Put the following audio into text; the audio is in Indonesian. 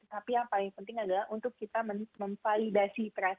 tapi yang paling penting adalah untuk kita memvalidasi perasaan